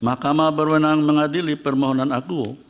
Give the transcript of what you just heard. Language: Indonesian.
mahkamah berwenang mengadili permohonan akuo